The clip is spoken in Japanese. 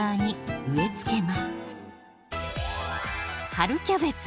春キャベツ